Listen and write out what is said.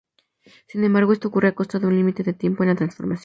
Sin embargo, esto ocurre a costa de un límite de tiempo en la transformación.